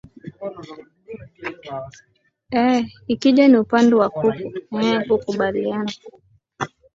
eeh ikija ni upande wa kuku eeh kukubaliana